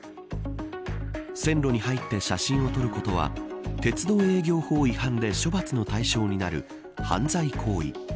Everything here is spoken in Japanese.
線路に入って写真を撮ることは鉄道営業法違反で処罰の対象になる犯罪行為。